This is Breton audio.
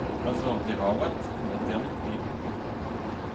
Ma 'z oc'h deraouad : na dermit ket !